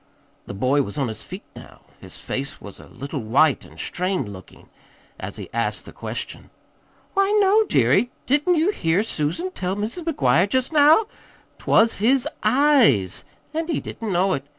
The boy was on his feet now. His face was a little white and strained looking, as he asked the question. "Why, no, dearie. Didn't you hear Susan tell Mis' McGuire jest now? 'T was his EYES, an' he didn't know it.